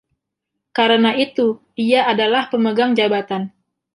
Karena itu, ia adalah pemegang jabatan.